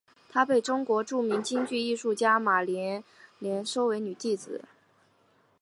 她被中国著名京剧艺术家马连良收为女弟子。